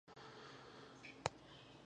د هغوی تګلارې تعقیب کړئ.